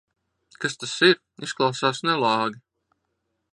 Kas tas ir? Izklausās nelāgi.